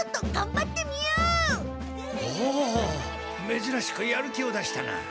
めずらしくやる気を出したな。